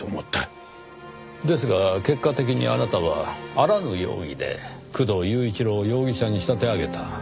ですが結果的にあなたはあらぬ容疑で工藤雄一郎を容疑者に仕立て上げた。